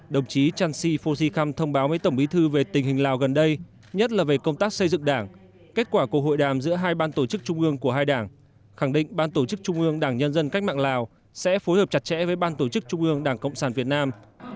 đồng chí chan si phô si khăm thông báo với tổng bí thư về tình hình lào gần đây nhất là về công tác xây dựng đảng kết quả của hội đàm giữa hai ban tổ chức trung ương của hai đảng khẳng định ban tổ chức trung ương đảng nhân dân cách mạng lào sẽ phối hợp chặt chẽ với ban tổ chức trung ương đảng cộng sản việt nam